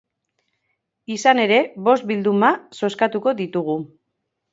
Izan ere, bost bilduma zozkatuko ditugu.